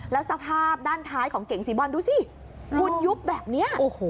แล้วสภาพด้านท้ายของเก๋งสีบอลดูสิคุณยุบแบบนี้